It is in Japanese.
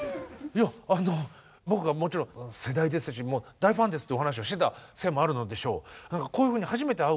あの僕はもちろん世代ですし大ファンですってお話をしてたせいもあるのでしょう。